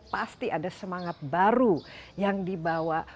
pasti ada semangat baru yang dibawa